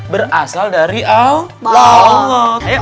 berasal dari allah